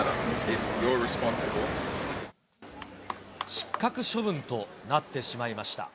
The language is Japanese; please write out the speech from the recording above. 失格処分となってしまいました。